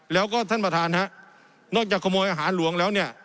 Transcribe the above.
แล้วก็ท่านประธานฮะนอกจากขโมยอาหารหลวงแล้วเนี่ย